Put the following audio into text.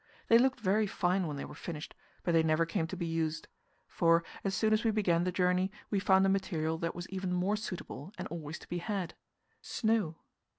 They looked very fine when they were finished, but they never came to be used; for, as soon as we began the journey, we found a material that was even more suitable and always to be had snow.